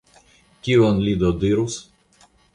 Kion li do dirus?